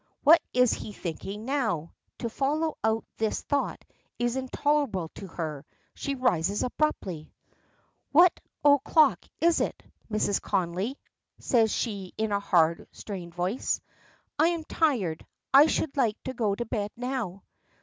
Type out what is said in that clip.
What is he thinking now? To follow out this thought is intolerable to her; she rises abruptly. "What o'clock is it, Mrs. Connolly?" says she in a hard, strained voice. "I am tired, I should like to go to bed now."